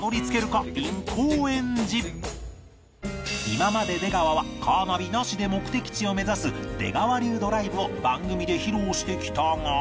今まで出川はカーナビなしで目的地を目指す出川流ドライブを番組で披露してきたが